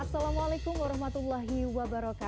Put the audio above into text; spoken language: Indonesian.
assalamualaikum wr wb